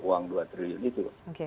uang dua triliun itu